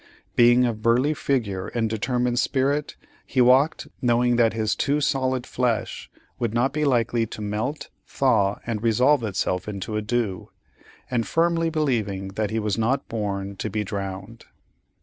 Being of burly figure and determined spirit, he walked, knowing that his "too solid flesh" would not be likely "to melt, thaw, and resolve itself into a dew," and firmly believing that he was not born to be drowned.